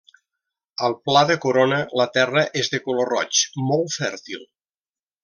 Al Pla de Corona la terra és de color roig, molt fèrtil.